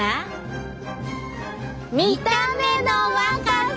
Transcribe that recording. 見た目の若さ！